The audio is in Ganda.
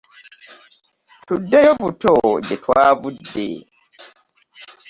Tuddeyo buto gyetwavudde.